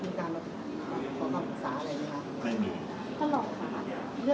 ที่ครับต้องการภารกษาลักษณ์มีการออกมา